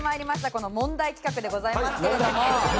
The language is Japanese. この問題企画でございますけれども。